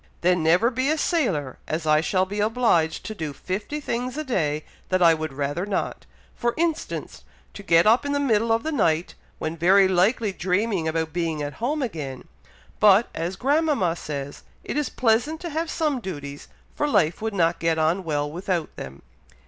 "Then never be a sailor, as I shall be obliged to do fifty things a day that I would rather not; for instance, to get up in the middle of the night, when very likely dreaming about being at home again; but, as grandmama says, it is pleasant to have some duties, for life would not get on well without them."